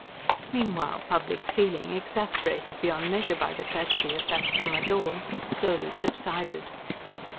Meanwhile public feeling, exasperated beyond measure by the tragedy of that summer dawn, slowly subsided.